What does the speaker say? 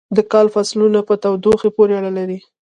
د کال فصلونه په تودوخې پورې اړه لري.